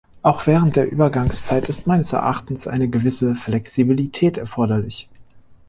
Auch während der Übergangszeit ist meines Erachtens eine gewisse Flexibilität erforderlich.